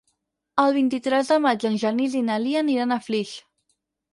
El vint-i-tres de maig en Genís i na Lia aniran a Flix.